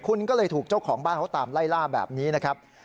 คุณก็เลยถูกเจ้าของบ้านเขาตามไล่ล่าแบบนี้นะครับ